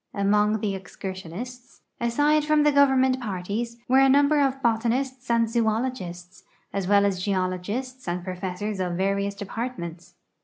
Among the excursionists, aside from the government parties, were a number of botanists and zoologists, as well as geologists and professors of various departments.